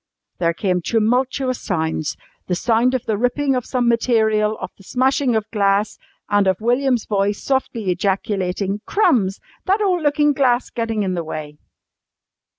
There came tumultuous sounds the sound of the ripping of some material, of the smashing of glass and of William's voice softly ejaculating "Crumbs! that ole lookin' glass gettin' in the way!"